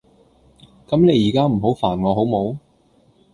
咁你依家唔好煩我好冇